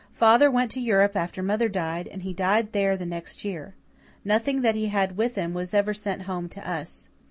Father went to Europe after mother died, and he died there the next year. Nothing that he had with him was ever sent home to us.